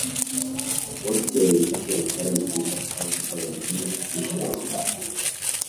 Both say "National Currency", but have different issuers.